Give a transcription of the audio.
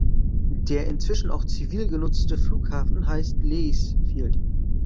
Der inzwischen auch zivil genutzte Flughafen heißt Lajes Field.